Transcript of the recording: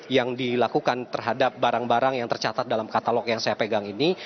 yang dilakukan terhadap barang barang yang tercatat dalam katalog yang saya pegang ini